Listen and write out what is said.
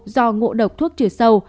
do ngộ độc thuốc trừ sâu